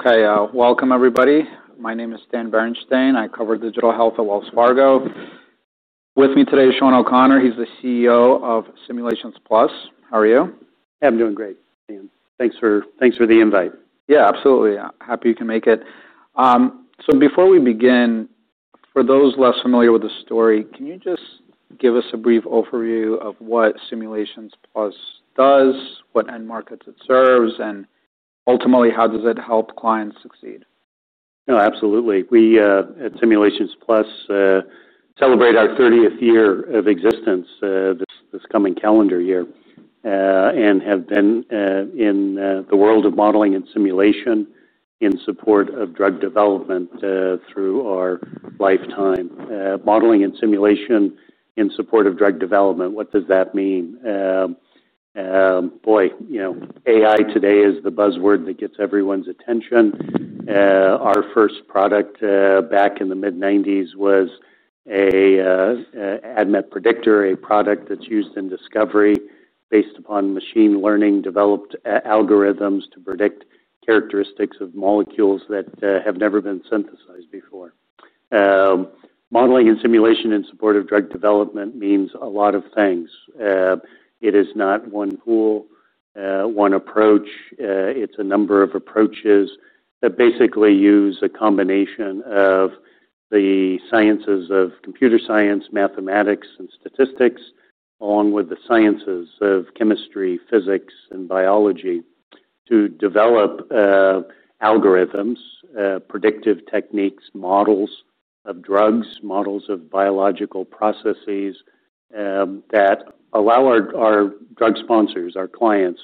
Okay. Welcome everybody. My name is Stan Berenshteyn. I cover digital health at Wells Fargo. With me today is Shawn O'Connor. He's the CEO of Simulations Plus. How are you? I'm doing great, Stan. Thanks for the invite. Yeah, absolutely. Happy you can make it. So before we begin, for those less familiar with the story, can you just give us a brief overview of what Simulations Plus does, what end markets it serves, and ultimately how does it help clients succeed? No, absolutely. We, at Simulations Plus, celebrate our 30th year of existence, this coming calendar year, and have been, in, the world of modeling and simulation in support of drug development, through our lifetime. Modeling and simulation in support of drug development, what does that mean? Boy, you know, AI today is the buzzword that gets everyone's attention. Our first product, back in the mid-1990s, was a ADMET Predictor, a product that's used in discovery based upon machine learning developed algorithms to predict characteristics of molecules that have never been synthesized before. Modeling and simulation in support of drug development means a lot of things. It is not one tool, one approach. It's a number of approaches that basically use a combination of the sciences of computer science, mathematics, and statistics, along with the sciences of chemistry, physics, and biology to develop algorithms, predictive techniques, models of drugs, models of biological processes, that allow our drug sponsors, our clients,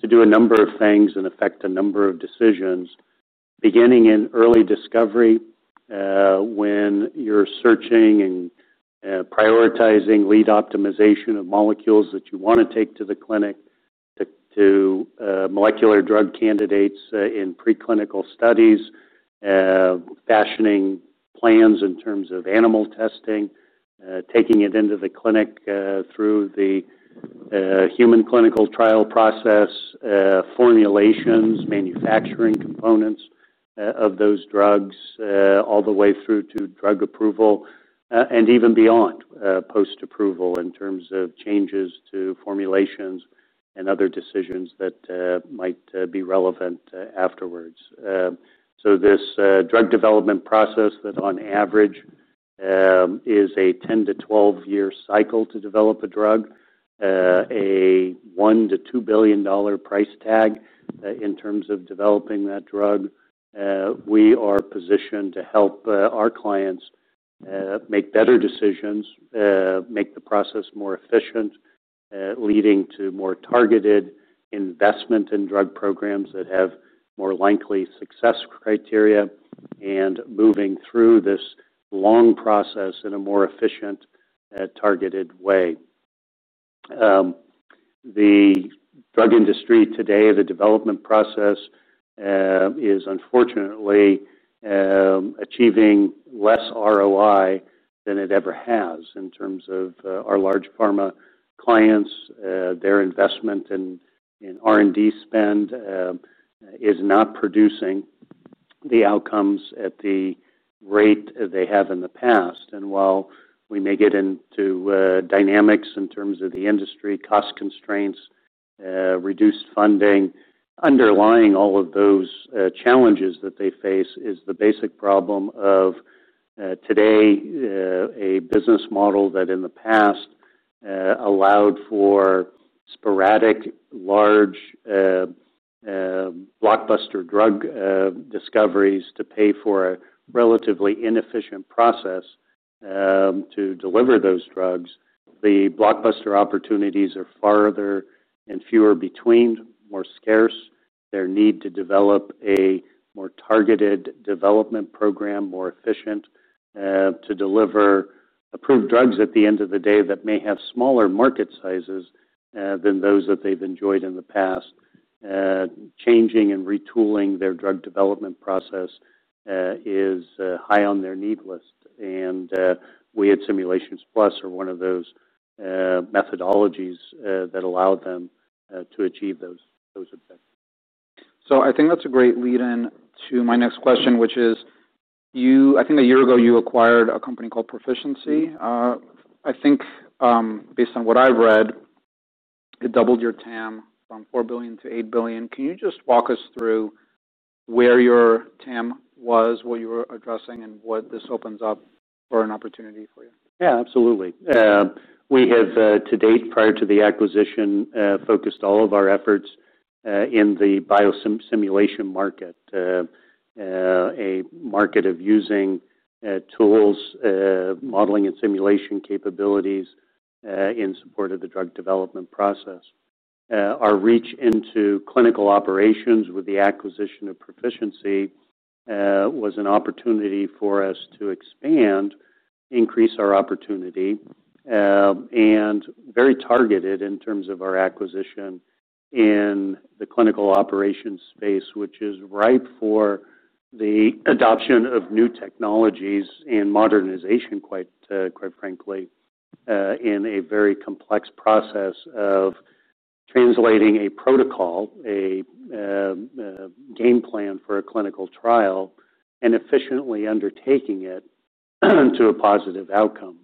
to do a number of things and affect a number of decisions, beginning in early discovery, when you're searching and prioritizing lead optimization of molecules that you wanna take to the clinic to molecular drug candidates, in preclinical studies, fashioning plans in terms of animal testing, taking it into the clinic, through the human clinical trial process, formulations, manufacturing components of those drugs, all the way through to drug approval, and even beyond, post-approval in terms of changes to formulations and other decisions that might be relevant afterwards. So, this drug development process that on average is a 10-12-year cycle to develop a drug, a $1 billion-$2 billion price tag in terms of developing that drug, we are positioned to help our clients make better decisions, make the process more efficient, leading to more targeted investment in drug programs that have more likely success criteria and moving through this long process in a more efficient, targeted way. The drug industry today, the development process, is unfortunately achieving less ROI than it ever has in terms of our large pharma clients. Their investment in R&D spend is not producing the outcomes at the rate they have in the past. While we may get into dynamics in terms of the industry, cost constraints, reduced funding, underlying all of those challenges that they face is the basic problem of today, a business model that in the past allowed for sporadic large blockbuster drug discoveries to pay for a relatively inefficient process to deliver those drugs. The blockbuster opportunities are few and far between, more scarce. They need to develop a more targeted development program, more efficient, to deliver approved drugs at the end of the day that may have smaller market sizes than those that they've enjoyed in the past. Changing and retooling their drug development process is high on their need list. We at Simulations Plus are one of those methodologies that allow them to achieve those objectives. So I think that's a great lead-in to my next question, which is you I think a year ago you acquired a company called Pro-ficiency. I think, based on what I've read, it doubled your TAM from $4 billion to $8 billion. Can you just walk us through where your TAM was, what you were addressing, and what this opens up for an opportunity for you? Yeah, absolutely. We have, to date, prior to the acquisition, focused all of our efforts in the biosimulation market, a market of using tools, modeling and simulation capabilities, in support of the drug development process. Our reach into clinical operations with the acquisition of Pro-ficiency was an opportunity for us to expand, increase our opportunity, and very targeted in terms of our acquisition in the clinical operations space, which is ripe for the adoption of new technologies and modernization, quite frankly, in a very complex process of translating a protocol, a game plan for a clinical trial, and efficiently undertaking it to a positive outcome.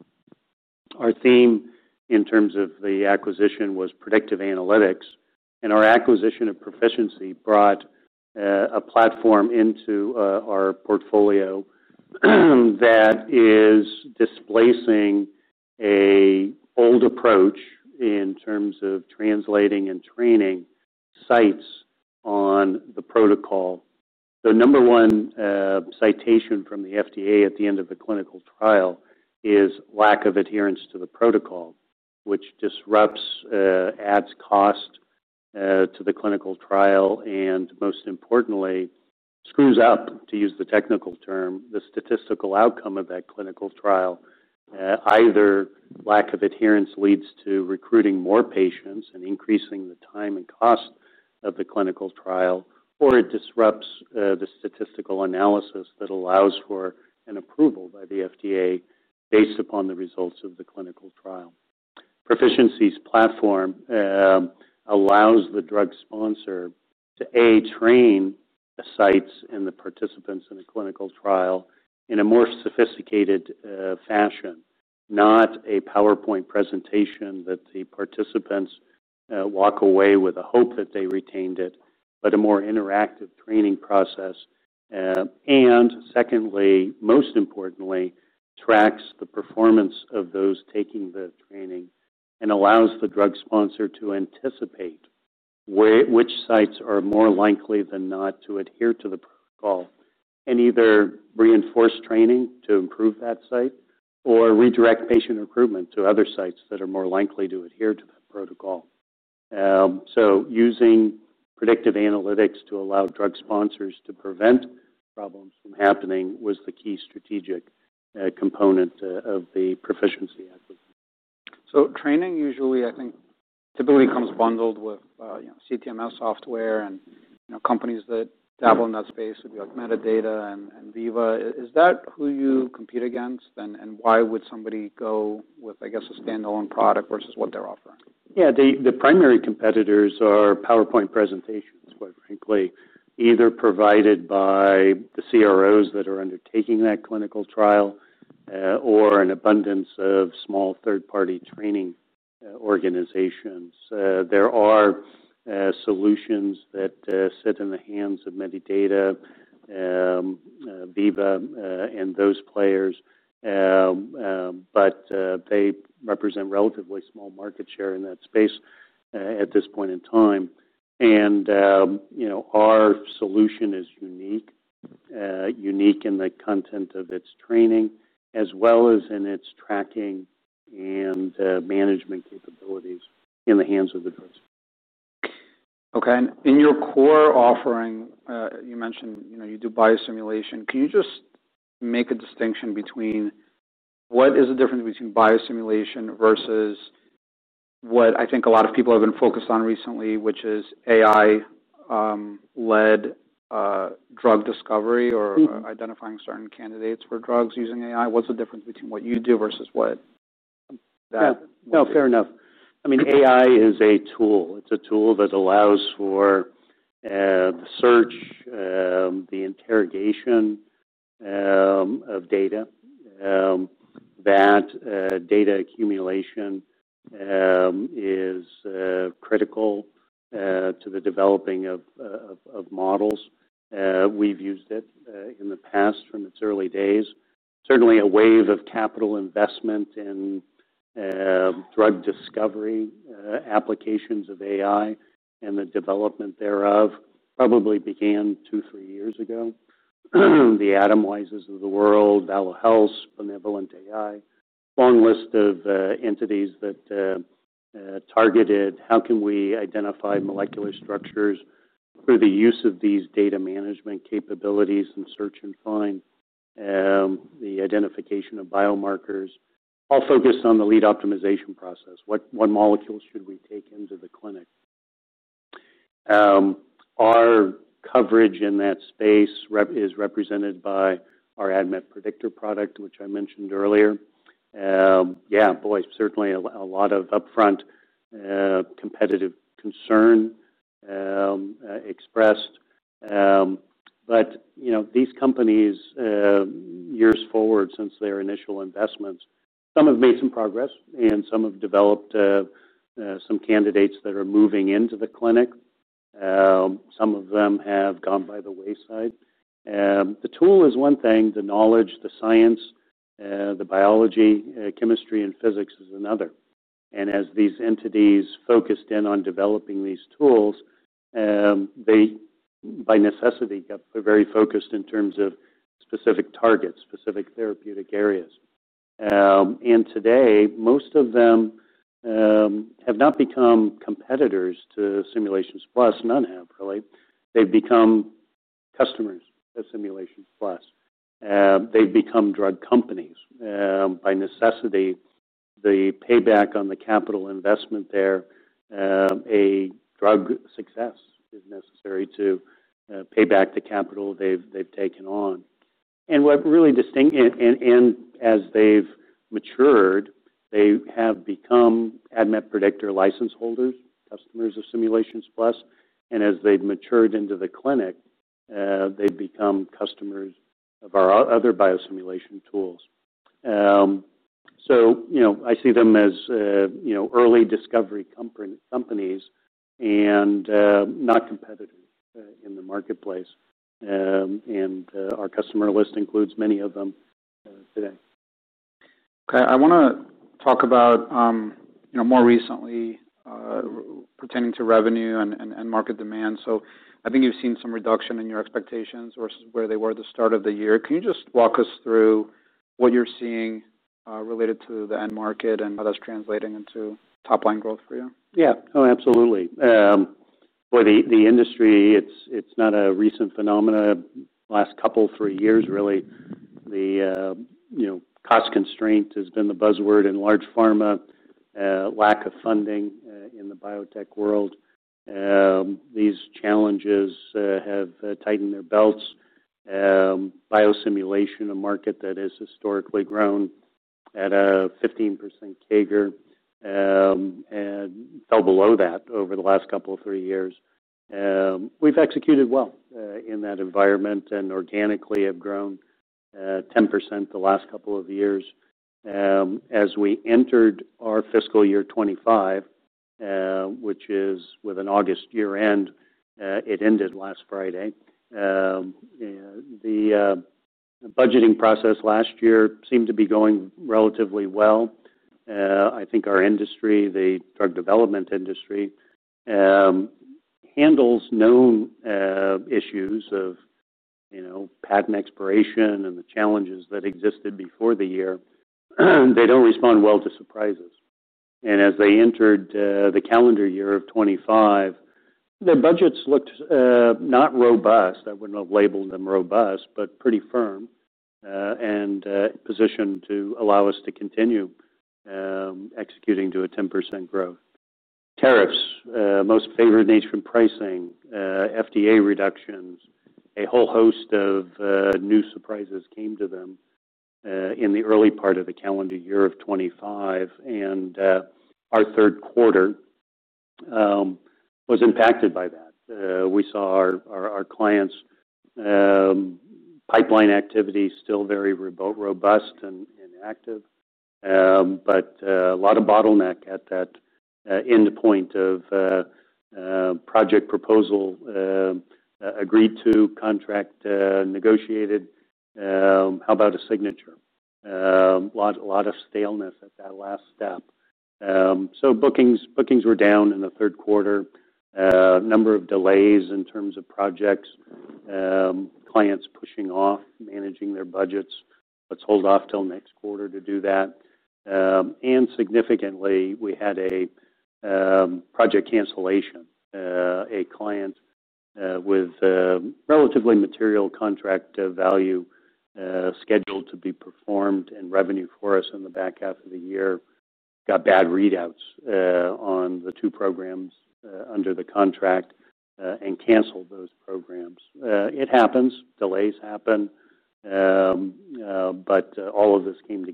Our theme in terms of the acquisition was predictive analytics, and our acquisition of Pro-ficiency brought a platform into our portfolio that is displacing an old approach in terms of translating and training sites on the protocol. The number one citation from the FDA at the end of the clinical trial is lack of adherence to the protocol, which disrupts and adds cost to the clinical trial, and most importantly, screws up, to use the technical term, the statistical outcome of that clinical trial. Either lack of adherence leads to recruiting more patients and increasing the time and cost of the clinical trial, or it disrupts the statistical analysis that allows for an approval by the FDA based upon the results of the clinical trial. Pro-ficiency's platform allows the drug sponsor to A, train the sites and the participants in the clinical trial in a more sophisticated fashion, not a PowerPoint presentation that the participants walk away with a hope that they retained it, but a more interactive training process. Secondly, most importantly, tracks the performance of those taking the training and allows the drug sponsor to anticipate where which sites are more likely than not to adhere to the protocol and either reinforce training to improve that site or redirect patient recruitment to other sites that are more likely to adhere to that protocol. Using predictive analytics to allow drug sponsors to prevent problems from happening was the key strategic component of the Pro-ficiency acquisition. So, training usually, I think, typically comes bundled with, you know, CTMS software and, you know, companies that dabble in that space would be like Medidata and Veeva. Is that who you compete against? And why would somebody go with, I guess, a standalone product versus what they're offering? Yeah, the primary competitors are PowerPoint presentations, quite frankly, either provided by the CROs that are undertaking that clinical trial, or an abundance of small third-party training organizations. There are solutions that sit in the hands of Medidata, Veeva, and those players. But they represent relatively small market share in that space, at this point in time. You know, our solution is unique in the content of its training as well as in its tracking and management capabilities in the hands of the drug sponsor. Okay. And in your core offering, you mentioned, you know, you do biosimulation. Can you just make a distinction between what is the difference between biosimulation versus what I think a lot of people have been focused on recently, which is AI-led drug discovery or? Mm-hmm. Identifying certain candidates for drugs using AI? What's the difference between what you do versus what that? Yeah. No, fair enough. I mean, AI is a tool. It's a tool that allows for the search, the interrogation, of data, that data accumulation is critical to the developing of models. We've used it in the past from its early days. Certainly, a wave of capital investment in drug discovery applications of AI and the development thereof probably began two, three years ago. The Atomwises of the world, Valo Health, BenevolentAI, long list of entities that targeted how can we identify molecular structures through the use of these data management capabilities and search and find the identification of biomarkers, all focused on the lead optimization process. What, what molecules should we take into the clinic? Our coverage in that space rep is represented by our ADMET Predictor product, which I mentioned earlier. Yeah, boy, certainly a lot of upfront competitive concern expressed. But you know, these companies, years forward since their initial investments, some have made some progress and some have developed some candidates that are moving into the clinic. Some of them have gone by the wayside. The tool is one thing. The knowledge, the science, the biology, chemistry, and physics is another, and as these entities focused in on developing these tools, they by necessity got very focused in terms of specific targets, specific therapeutic areas, and today most of them have not become competitors to Simulations Plus. None have, really. They've become customers of Simulations Plus. They've become drug companies. By necessity, the payback on the capital investment there, a drug success is necessary to pay back the capital they've taken on, and what really distinct and as they've matured, they have become ADMET Predictor license holders, customers of Simulations Plus. And as they've matured into the clinic, they've become customers of our other biosimulation tools. So, you know, I see them as, you know, early discovery companies and, not competitors, in the marketplace. And, our customer list includes many of them, today. Okay. I wanna talk about, you know, more recently, pertaining to revenue and market demand. So I think you've seen some reduction in your expectations versus where they were at the start of the year. Can you just walk us through what you're seeing, related to the end market and how that's translating into top-line growth for you? Yeah. Oh, absolutely. Boy, the industry, it's not a recent phenomenon. Last couple three years, really, you know, the cost constraint has been the buzzword in large pharma, lack of funding in the biotech world. These challenges have tightened their belts. Biosimulation, a market that has historically grown at a 15% CAGR, fell below that over the last couple of three years. We've executed well in that environment and organically have grown 10% the last couple of years. As we entered our fiscal year 2025, which is with an August year-end, it ended last Friday. The budgeting process last year seemed to be going relatively well. I think our industry, the drug development industry, handles known issues of you know, patent expiration and the challenges that existed before the year. They don't respond well to surprises. And as they entered the calendar year of 2025, their budgets looked not robust. I wouldn't have labeled them robust, but pretty firm and positioned to allow us to continue executing to a 10% growth. Tariffs, Most Favored Nation and pricing, FDA reductions, a whole host of new surprises came to them in the early part of the calendar year of 2025. Our third quarter was impacted by that. We saw our clients' pipeline activity still very robust and active, but a lot of bottleneck at that end point of project proposal, agreed to contract, negotiated, how about a signature? A lot of staleness at that last step, so bookings were down in the third quarter. Number of delays in terms of projects, clients pushing off, managing their budgets. Let's hold off till next quarter to do that. And significantly, we had a project cancellation. A client with relatively material contract value, scheduled to be performed in revenue for us in the back half of the year, got bad readouts on the two programs under the contract and canceled those programs. It happens. Delays happen, but all of this came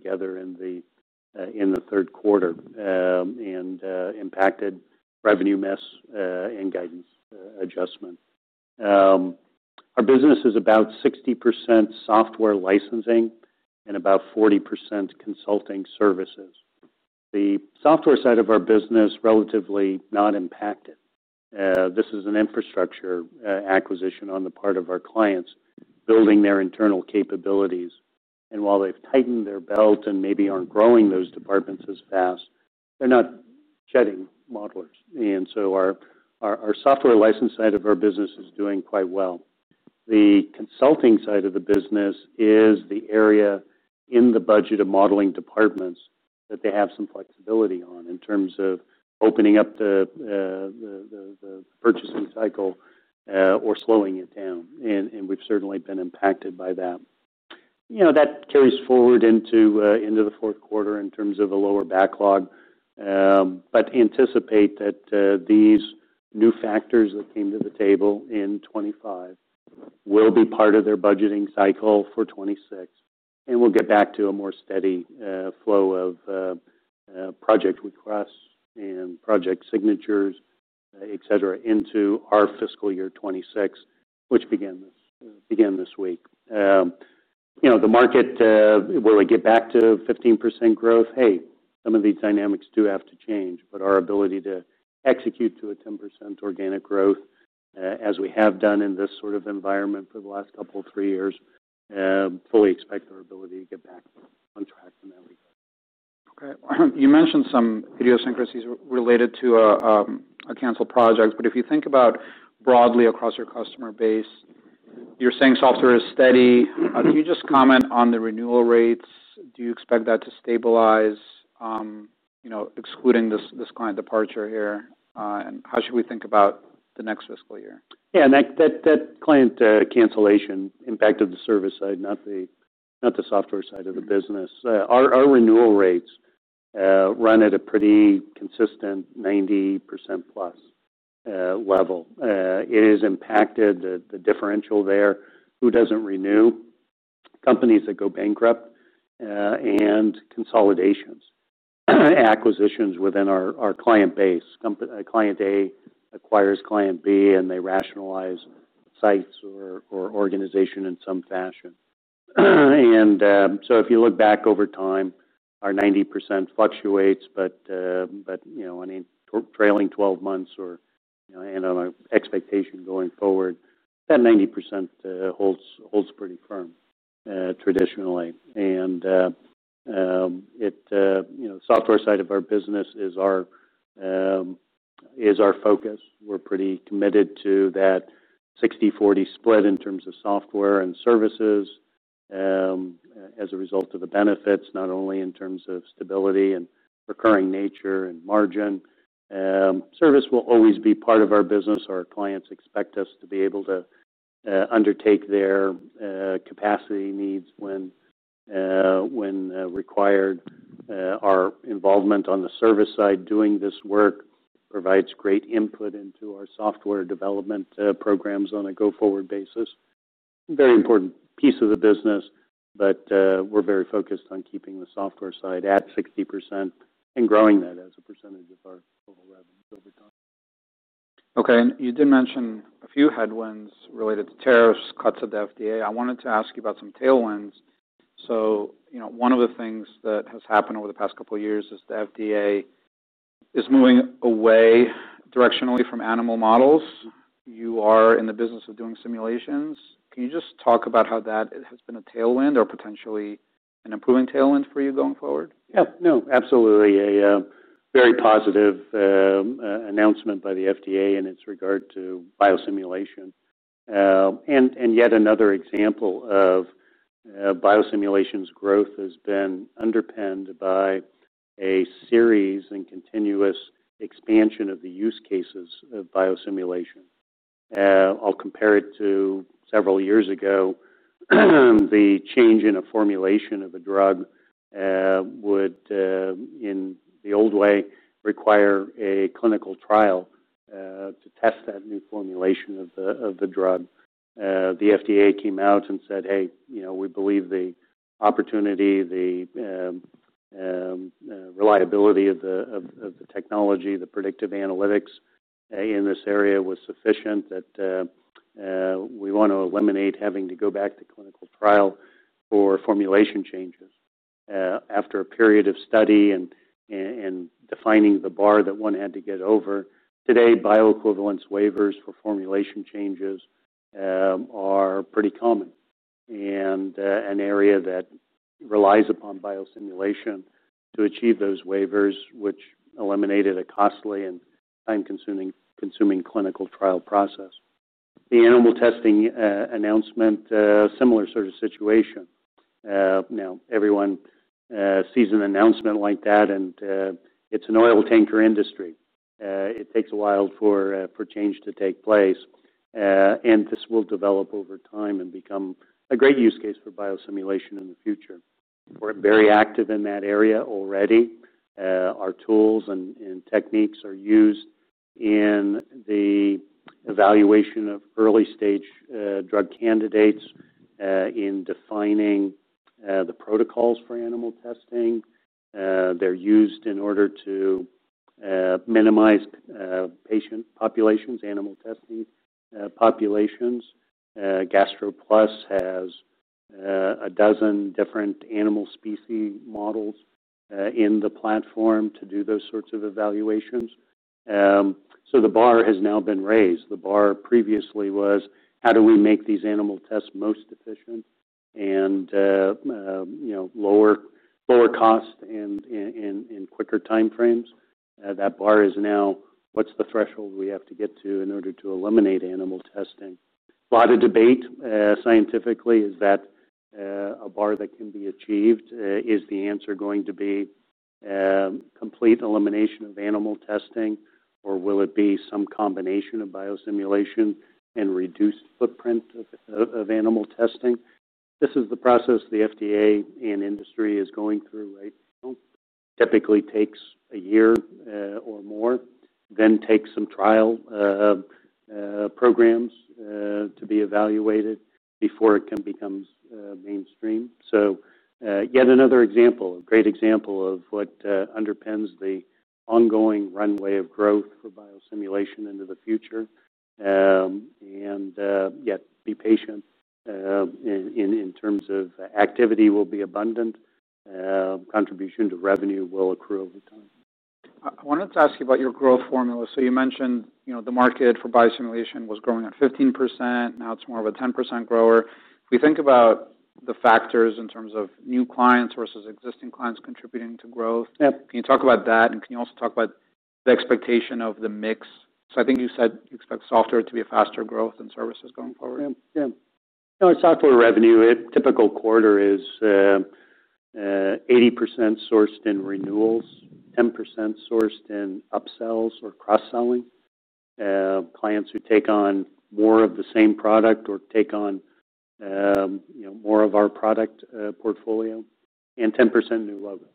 together in the third quarter and impacted revenue mess and guidance adjustment. Our business is about 60% software licensing and about 40% consulting services. The software side of our business relatively not impacted. This is an infrastructure acquisition on the part of our clients, building their internal capabilities. And while they've tightened their belt and maybe aren't growing those departments as fast, they're not shedding modelers. And so our software license side of our business is doing quite well. The consulting side of the business is the area in the budget of modeling departments that they have some flexibility on in terms of opening up the purchasing cycle, or slowing it down. And we've certainly been impacted by that. You know, that carries forward into the fourth quarter in terms of a lower backlog. But anticipate that these new factors that came to the table in 2025 will be part of their budgeting cycle for 2026. And we'll get back to a more steady flow of project requests and project signatures, etc., into our fiscal year 2026, which began this week. You know, the market, will it get back to 15% growth? Hey, some of these dynamics do have to change. But our ability to execute to a 10% organic growth, as we have done in this sort of environment for the last couple of three years. We fully expect our ability to get back on track when that week. Okay. You mentioned some idiosyncrasies related to a canceled project, but if you think about broadly across your customer base, you're saying software is steady. Can you just comment on the renewal rates? Do you expect that to stabilize, you know, excluding this, this client departure here, and how should we think about the next fiscal year? Yeah, and that client cancellation impacted the service side, not the software side of the business. Our renewal rates run at a pretty consistent 90% plus level. It impacts the differential there, who doesn't renew, companies that go bankrupt, and consolidations, acquisitions within our client base. Client A acquires client B, and they rationalize sites or organization in some fashion. And so if you look back over time, our 90% fluctuates, but you know, I mean, trailing 12 months or you know, and our expectation going forward, that 90% holds pretty firm, traditionally. And you know, the software side of our business is our focus. We're pretty committed to that 60/40 split in terms of software and services, as a result of the benefits, not only in terms of stability and recurring nature and margin. Service will always be part of our business. Our clients expect us to be able to undertake their capacity needs when required. Our involvement on the service side doing this work provides great input into our software development programs on a go-forward basis. Very important piece of the business, but we're very focused on keeping the software side at 60% and growing that as a percentage of our total revenues over time. Okay. And you did mention a few headwinds related to tariffs, cuts at the FDA. I wanted to ask you about some tailwinds. So, you know, one of the things that has happened over the past couple of years is the FDA is moving away directionally from animal models. You are in the business of doing simulations. Can you just talk about how that has been a tailwind or potentially an improving tailwind for you going forward? Yeah. No, absolutely. A very positive announcement by the FDA in its regard to biosimulation. And yet another example of biosimulation's growth has been underpinned by a series and continuous expansion of the use cases of biosimulation. I'll compare it to several years ago. The change in a formulation of a drug would, in the old way, require a clinical trial to test that new formulation of the drug. The FDA came out and said, "Hey, you know, we believe the reliability of the technology, the predictive analytics, in this area was sufficient that we wanna eliminate having to go back to clinical trial for formulation changes." After a period of study and defining the bar that one had to get over, today bioequivalence waivers for formulation changes are pretty common. An area that relies upon biosimulation to achieve those waivers, which eliminated a costly and time-consuming clinical trial process. The animal testing announcement similar sort of situation. Now everyone sees an announcement like that, and it's an oil tanker industry. It takes a while for change to take place. This will develop over time and become a great use case for biosimulation in the future. We're very active in that area already. Our tools and techniques are used in the evaluation of early stage drug candidates, in defining the protocols for animal testing. They're used in order to minimize patient populations animal testing populations. GastroPlus has a dozen different animal species models in the platform to do those sorts of evaluations. The bar has now been raised. The bar previously was, how do we make these animal tests most efficient and, you know, lower cost and quicker timeframes? That bar is now, what's the threshold we have to get to in order to eliminate animal testing? A lot of debate, scientifically, is that a bar that can be achieved. Is the answer going to be complete elimination of animal testing, or will it be some combination of biosimulation and reduced footprint of animal testing? This is the process the FDA and industry is going through right now. Typically takes a year, or more, then takes some trial programs to be evaluated before it can become mainstream. So, yet another example, a great example of what underpins the ongoing runway of growth for biosimulation into the future. And yet, be patient in terms of activity. Will be abundant. Contribution to revenue will accrue over time. I wanted to ask you about your growth formula. So you mentioned, you know, the market for biosimulation was growing at 15%. Now it's more of a 10% grower. If we think about the factors in terms of new clients versus existing clients contributing to growth. Yep. Can you talk about that? And can you also talk about the expectation of the mix? So I think you said you expect software to be a faster growth than services going forward. Yeah. Yeah. Our software revenue, a typical quarter is 80% sourced in renewals, 10% sourced in upsells or cross-selling, clients who take on more of the same product or take on, you know, more of our product portfolio, and 10% new logos.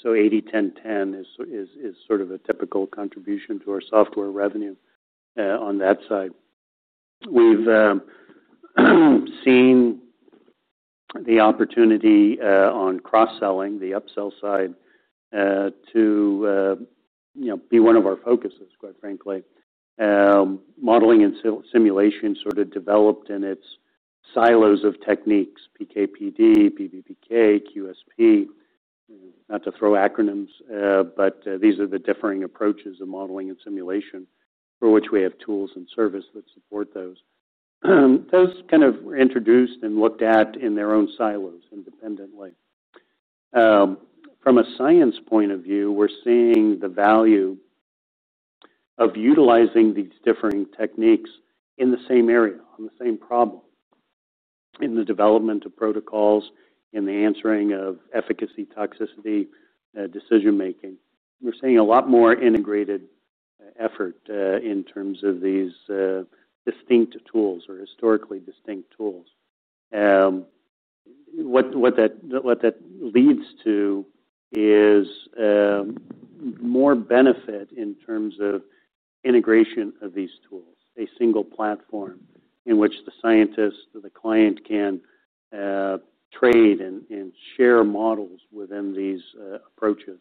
So 80/10/10 is sort of a typical contribution to our software revenue, on that side. We've seen the opportunity, on cross-selling, the upsell side, to, you know, be one of our focuses, quite frankly. Modeling and simulation sort of developed in its silos of techniques, PK/PD, PBPK, QSP, not to throw acronyms, but these are the differing approaches of modeling and simulation for which we have tools and service that support those. Those kind were introduced and looked at in their own silos independently. From a science point of view, we're seeing the value of utilizing these different techniques in the same area, on the same problem, in the development of protocols, in the answering of efficacy, toxicity, decision-making. We're seeing a lot more integrated effort in terms of these distinct tools or historically distinct tools. What that leads to is more benefit in terms of integration of these tools, a single platform in which the scientist, the client can trade and share models within these approaches.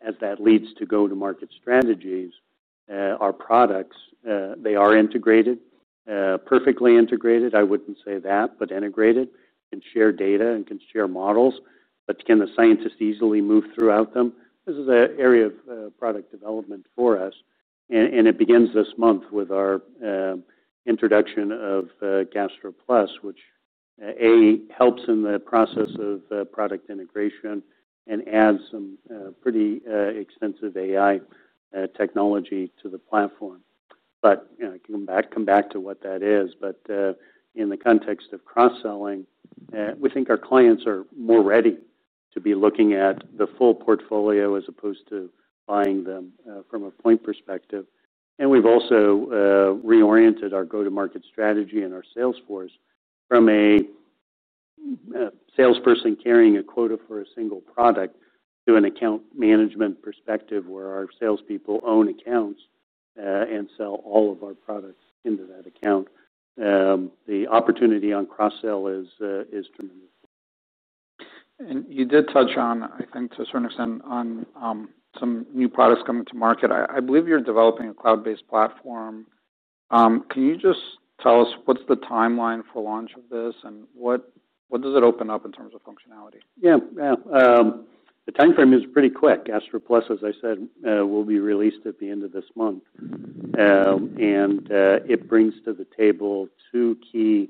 As that leads to go-to-market strategies, our products, they are integrated, perfectly integrated. I wouldn't say that, but integrated and share data and can share models, but can the scientist easily move throughout them? This is an area of product development for us. And it begins this month with our introduction of GastroPlus, which helps in the process of product integration and adds some pretty extensive AI technology to the platform. But you know, I can come back to what that is. But in the context of cross-selling, we think our clients are more ready to be looking at the full portfolio as opposed to buying them from a point perspective. And we've also reoriented our go-to-market strategy and our sales force from a salesperson carrying a quota for a single product to an account management perspective where our salespeople own accounts and sell all of our products into that account. The opportunity on cross-sell is tremendous. You did touch on, I think to a certain extent, some new products coming to market. I believe you're developing a cloud-based platform. Can you just tell us what's the timeline for launch of this and what does it open up in terms of functionality? Yeah. Yeah. The timeframe is pretty quick. GastroPlus, as I said, will be released at the end of this month. It brings to the table two key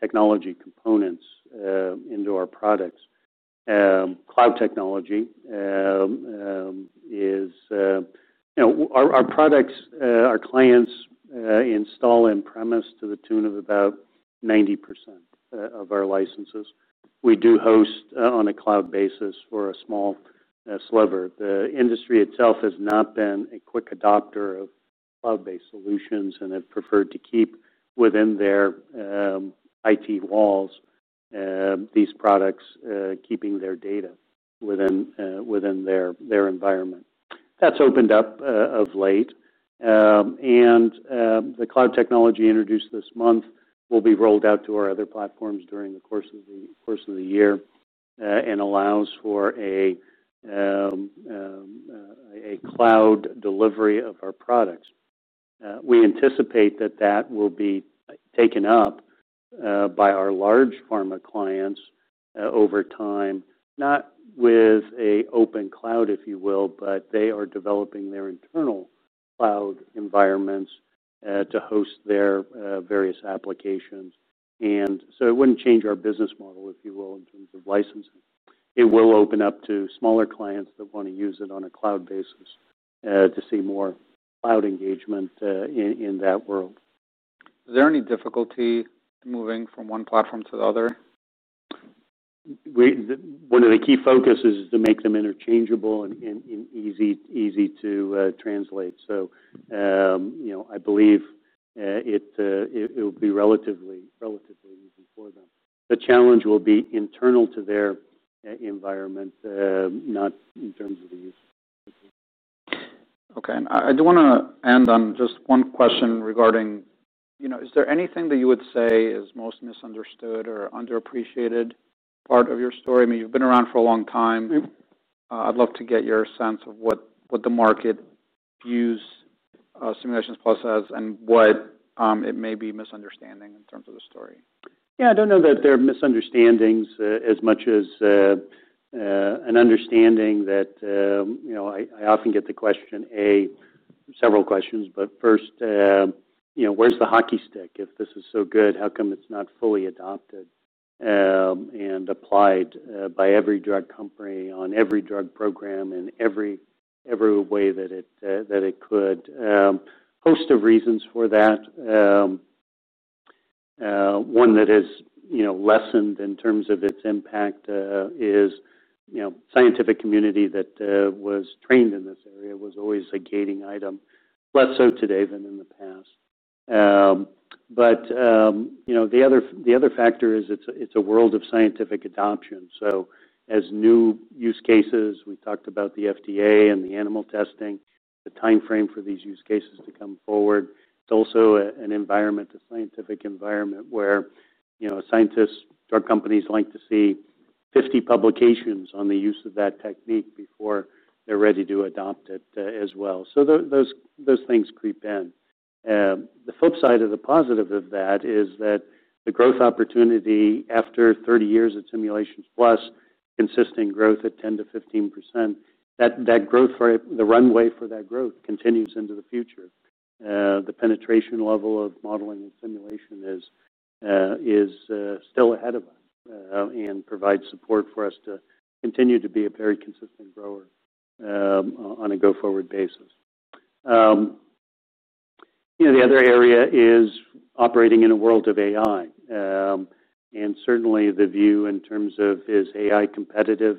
technology components into our products. Cloud technology, you know, our products, our clients install on-premise to the tune of about 90% of our licenses. We do host on a cloud basis for a small sliver. The industry itself has not been a quick adopter of cloud-based solutions and have preferred to keep within their IT walls these products, keeping their data within their environment. That's opened up of late. The cloud technology introduced this month will be rolled out to our other platforms during the course of the year and allows for a cloud delivery of our products. We anticipate that that will be taken up by our large pharma clients over time, not with an open cloud, if you will, but they are developing their internal cloud environments to host their various applications. And so it wouldn't change our business model, if you will, in terms of licensing. It will open up to smaller clients that wanna use it on a cloud basis to see more cloud engagement in that world. Is there any difficulty moving from one platform to the other? One of the key focuses is to make them interchangeable and easy to translate. So, you know, I believe it'll be relatively easy for them. The challenge will be internal to their environment, not in terms of the use. Okay. And I do wanna end on just one question regarding, you know, is there anything that you would say is most misunderstood or underappreciated part of your story? I mean, you've been around for a long time. I'd love to get your sense of what the market views Simulations Plus as and what it may be misunderstanding in terms of the story. Yeah. I don't know that they're misunderstandings, as much as an understanding that, you know, I often get the question, several questions, but first, you know, where's the hockey stick? If this is so good, how come it's not fully adopted and applied by every drug company on every drug program in every way that it could? A host of reasons for that. One that has, you know, lessened in terms of its impact is, you know, the scientific community that was trained in this area was always a gating item, less so today than in the past, but you know, the other factor is it's a world of scientific adoption, so as new use cases, we talked about the FDA and the animal testing, the timeframe for these use cases to come forward. It's also a, an environment, a scientific environment where, you know, scientists, drug companies like to see 50 publications on the use of that technique before they're ready to adopt it, as well, so those things creep in. The flip side of the positive of that is that the growth opportunity after 30 years at Simulations Plus, consistent growth at 10%-15%, that growth for the runway for that growth continues into the future. The penetration level of modeling and simulation is, is, still ahead of us, and provides support for us to continue to be a very consistent grower, on a go-forward basis. You know, the other area is operating in a world of AI. And certainly the view in terms of is AI competitive?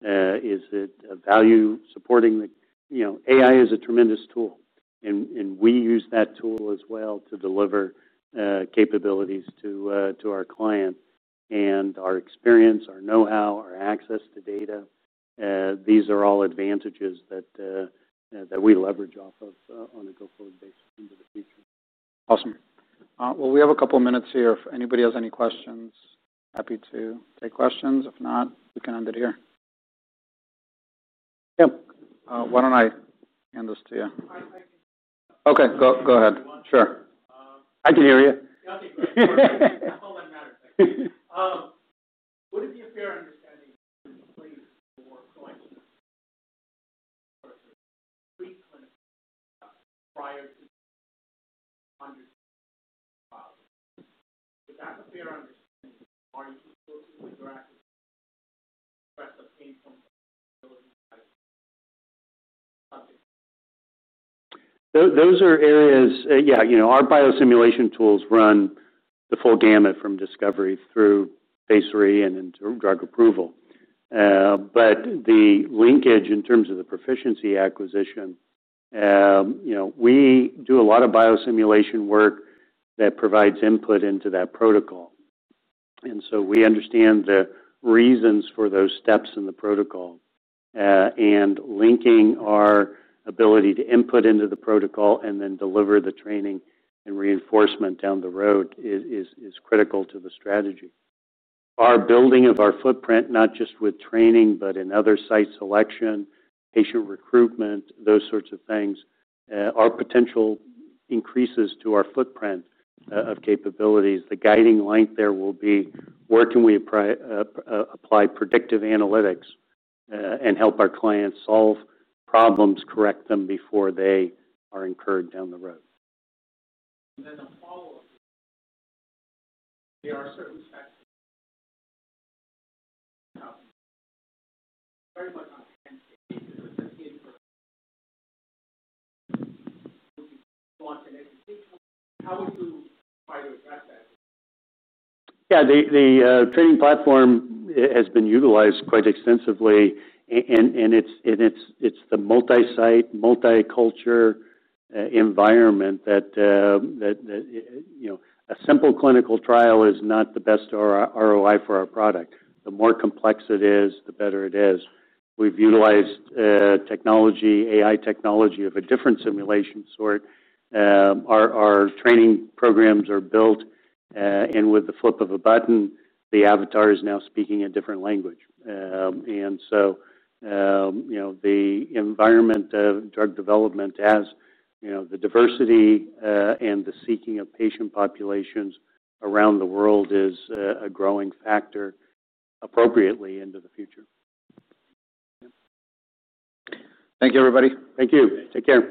Is it a value supporting the, you know, AI is a tremendous tool, and we use that tool as well to deliver capabilities to our client and our experience, our know-how, our access to data. These are all advantages that we leverage off of, on a go-forward basis into the future. Awesome. Well, we have a couple of minutes here. If anybody has any questions, happy to take questions. If not, we can end it here. Yeah. Why don't I hand this to you? Okay. Go, go ahead. Sure. I can hear you. Nothing really. That's all that matters. Would it be a fair understanding to place your clients in a sort of pre-clinical trial prior to undertaking trials? Is that a fair understanding? Are you still seeing your acquisition as a pain point for your ability as a subject? Those are areas, yeah, you know, our biosimulation tools run the full gamut from discovery through phase three and into drug approval. But the linkage in terms of the Pro-ficiency acquisition, you know, we do a lot of biosimulation work that provides input into that protocol. And so we understand the reasons for those steps in the protocol, and linking our ability to input into the protocol and then deliver the training and reinforcement down the road is critical to the strategy. Our building of our footprint, not just with training, but in other site selection, patient recruitment, those sorts of things, our potential increases to our footprint of capabilities, the guiding link there will be where can we apply predictive analytics, and help our clients solve problems, correct them before they are incurred down the road. And then a follow-up, there are certain factors very much on the end stage that would have been for launching education. How would you try to address that? Yeah. The training platform has been utilized quite extensively, and it's the multi-site, multi-cultural environment that, you know, a simple clinical trial is not the best ROI for our product. The more complex it is, the better it is. We've utilized technology, AI technology of a different simulation sort. Our training programs are built, and with the flip of a button, the avatar is now speaking a different language. And so, you know, the environment of drug development has the diversity, and the seeking of patient populations around the world is a growing factor appropriately into the future. Thank you, everybody. Thank you. Take care.